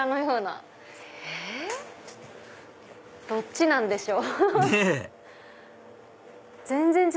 アハハどっちなんでしょう？